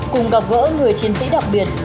cùng gặp gỡ người chiến sĩ đặc biệt